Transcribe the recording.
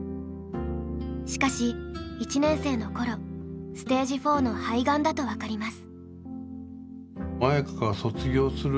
しかし１年生のころステージ４の肺がんだと分かります。